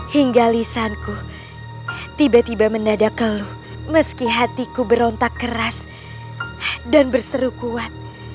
hingga lisanku tiba tiba mendadak keluh meski hatiku berontak keras dan berseru kuat